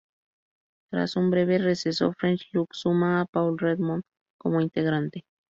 Tras un breve receso, French Look suma a Paul Redmond como integrante.